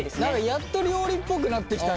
やっと料理っぽくなってきたね。